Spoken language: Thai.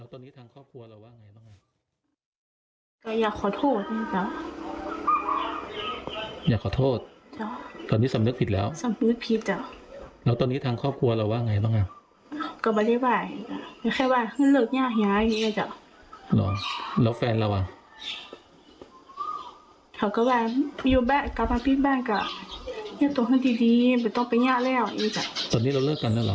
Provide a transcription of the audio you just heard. ตอนนี้เราเลิกกันแล้วเหรอ